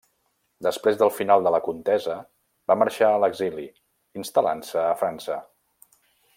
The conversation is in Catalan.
Després del final de la contesa va marxar a l'exili, instal·lant-se a França.